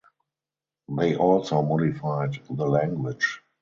They also modified the language.